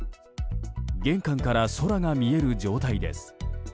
玄関から空が見える状態です。